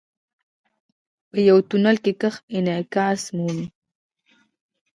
• په یو تونل کې ږغ انعکاس مومي.